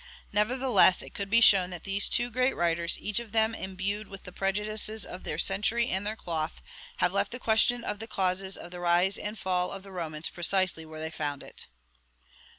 Nevertheless, it could be shown that these two great writers, each of them imbued with the prejudices of their century and their cloth, have left the question of the causes of the rise and fall of the Romans precisely where they found it.